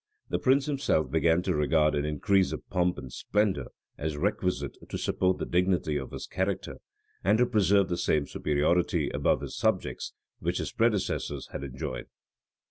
The prince himself began to regard an increase of pomp and splendor as requisite to support the dignity of his character, and to preserve the same superiority above his subjects which his predecessors had enjoyed.